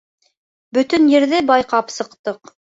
Бөтөн ерҙе байҡап сыҡтыҡ.